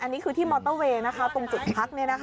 อันนี้คือที่มอเตอร์เวย์ตรงจุดพัก